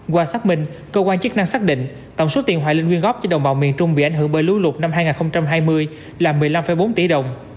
qua xác minh cơ quan chức năng xác định tổng số tiền hoài linh quyên góp cho đồng bào miền trung bị ảnh hưởng bởi lũ lụt năm hai nghìn hai mươi là một mươi năm bốn tỷ đồng